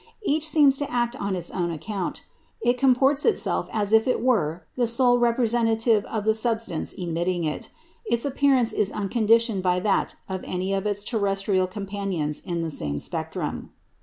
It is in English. Each seems to act on its own account; it comports itself as if it were the sole representative of the substance emitting it; its appearance is unconditioned by that of any of its terrestrial companions in the same spectrum.